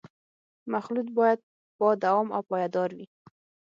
مخلوط باید با دوام او پایدار وي